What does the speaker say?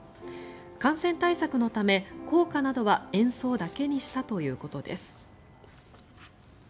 感染対策のため校歌などは演奏だけにしたということです。